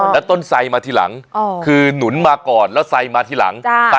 แล้วต้นไซมาทีหลังคือหนุนมาก่อนแล้วไซมาทีหลัง